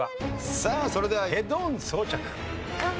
さあそれではヘッドホン装着。